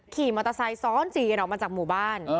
ขี่มอเตอร์ไซค์ซ้อนสี่กันออกมาจากหมู่บ้าน